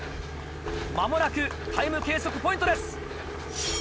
間もなくタイム計測ポイントです。